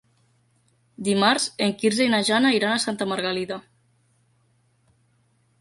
Dimarts en Quirze i na Jana iran a Santa Margalida.